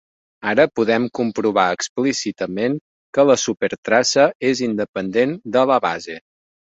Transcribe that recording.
Ara podem comprovar explícitament que la supertraça és independent de la base.